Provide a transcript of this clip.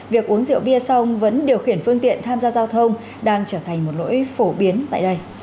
việc uống rượu bia xong vẫn điều khiển phương tiện tham gia giao thông đang trở thành một lỗi phổ biến tại đây